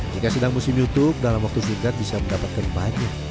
jika sedang musim youtube dalam waktu singkat bisa mendapatkan banyak